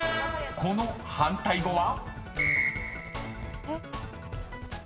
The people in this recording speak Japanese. ［この反対語は？］